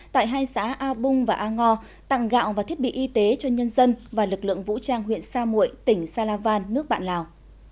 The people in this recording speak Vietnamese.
tại hai xã a bung và a ngo tặng gạo và thiết bị y tế cho nhân dân và lực lượng vũ trang huyện sa mụi tỉnh sa la van nước bạn lào